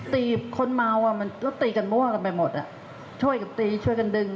ตีบคนเมาอ่ะมันรถตีกันมั่วกันไปหมดอ่ะช่วยกับตีช่วยกันดึง